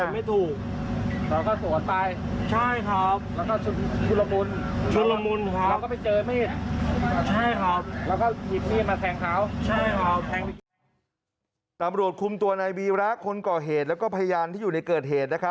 ไม่มันเป็นเฉศทั้งหน้าเลยครับอ๋อมีดมันอยู่ใกล้มือเราเหรอ